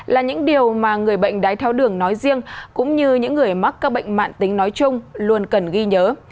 là những điều mà người bệnh đái tháo đường nói riêng cũng như những người mắc các bệnh mạng tính nói chung luôn cần ghi nhớ